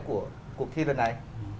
của cuộc thi lần này